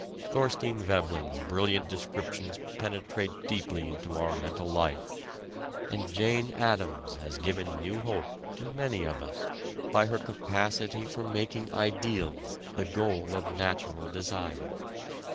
Thorstein Veblen's brilliant descriptions penetrate deeply into our mental life, and Jane Addams has given new hope to many of us by her capacity for making ideals the goal of natural desire.